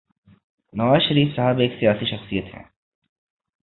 نواز شریف صاحب ایک سیاسی شخصیت ہیں۔